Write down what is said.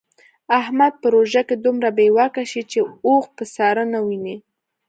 احمد په روژه کې دومره بې واکه شي چې اوښ په ساره نه ویني.